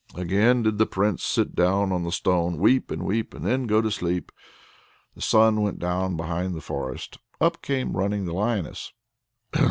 Again did the Prince sit down on the stone, weep and weep, and then go to sleep. The sun went down behind the forest. Up came running the lioness.